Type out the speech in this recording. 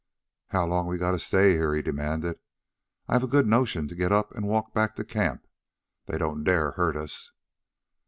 "How long we got to stay here?" he demanded. "I've a good notion to get up and walk back to camp. They don't dare hurt us."